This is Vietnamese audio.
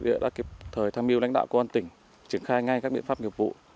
huyện đã kịp thời tham mưu lãnh đạo công an tỉnh triển khai ngay các biện pháp nghiệp vụ